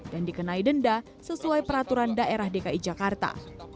dan dikenai denda sesuai peraturan daerah dki jakarta